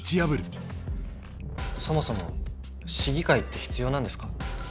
そもそも市議会って必要なんですか？